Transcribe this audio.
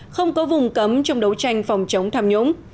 không có vùng cấm trong đấu tranh phòng chống tham nhũng